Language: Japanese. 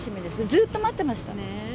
ずっと待ってました。